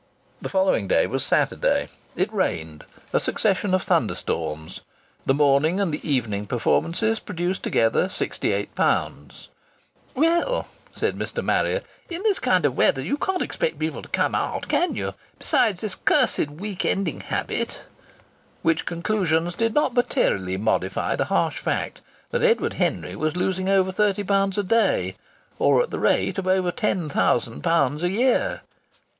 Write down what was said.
The following day was Saturday. It rained a succession of thunderstorms. The morning and the evening performances produced together sixty eight pounds. "Well," said Mr. Marrier, "in this kind of weathah you can't expect people to come out, can you? Besides, this cursed week ending habit " Which conclusions did not materially modify the harsh fact that Edward Henry was losing over thirty pounds a day or at the rate of over ten thousand pounds a year.